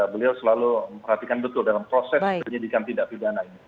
beliau selalu memperhatikan betul dalam proses penyidikan tindak pidana ini